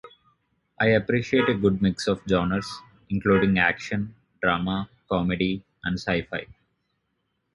I appreciate a good mix of genres, including action, drama, comedy, and sci-fi.